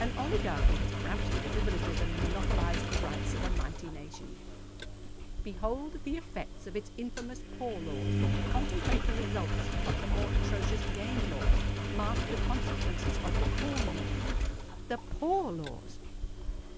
An oligarchy has cramped the privileges and monopolised the rights of a mighty nation. Behold the effects of its infamous Poor Laws;—contemplate the results of the more atrocious Game Laws;—mark the consequences of the Corn Laws. THE POOR LAWS!